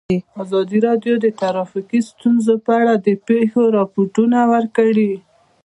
ازادي راډیو د ټرافیکي ستونزې په اړه د پېښو رپوټونه ورکړي.